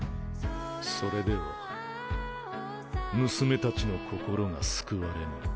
それでは娘達の心が救われぬ。